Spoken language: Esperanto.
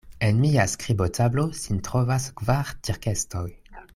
En mia skribotablo sin trovas kvar tirkestoj.